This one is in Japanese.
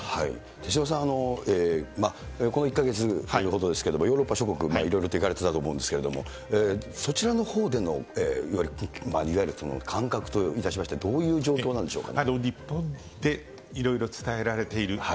手嶋さん、この１か月ほどですけれども、ヨーロッパ諸国、いろいろと行かれてたと思うんですけれども、そちらのほうでのいわゆる感覚としましては、どういう状況なんでしょうか。